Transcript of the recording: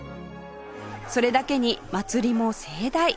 それだけに祭りも盛大！